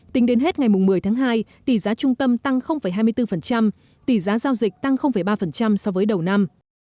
tính đến hết ngày một mươi tháng hai tỷ giá trung tâm tăng hai mươi bốn tỷ giá giao dịch tăng ba so với đầu năm